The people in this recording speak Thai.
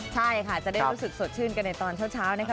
ใช่ค่ะจะได้รู้สึกสดชื่นกันในตอนเช้านะคะ